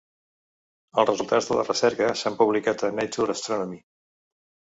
Els resultats de la recerca s’han publicat a ‘Nature Astronomy’.